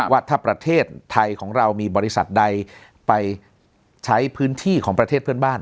ว่าถ้าประเทศไทยของเรามีบริษัทใดไปใช้พื้นที่ของประเทศเพื่อนบ้าน